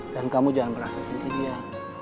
dan kamu jangan merasa sendiri ya